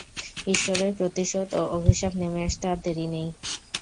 ঈশ্বরের প্রতিশোধ ও অভিশাপ নেমে আসতে আর দেরী নেই।